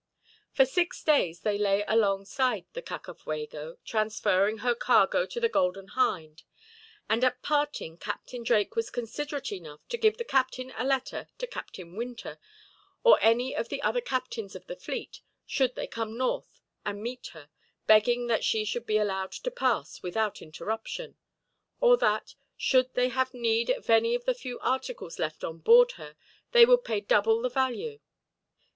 For six days they lay alongside the Cacafuego, transferring her cargo to the Golden Hind; and at parting, Captain Drake was considerate enough to give the captain a letter to Captain Winter, or any of the other captains of the fleet, should they come north and meet her, begging that she should be allowed to pass without interruption; or that, should they have need of any of the few articles left on board her, they would pay double the value.